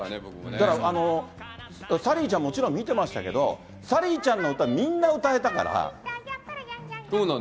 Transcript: だから、サリーちゃんもちろん見てましたけど、サリーちゃんの歌、みんな歌えたから。